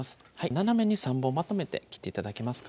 斜めに３本まとめて切って頂けますか？